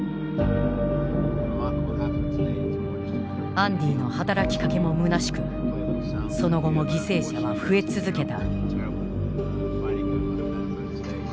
アンディの働きかけもむなしくその後も犠牲者は増え続けた。